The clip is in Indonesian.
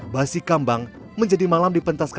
basi kambang menjadi malam dipentaskan